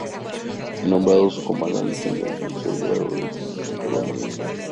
Fue nombrado su comandante, y alcanzó el grado de teniente coronel.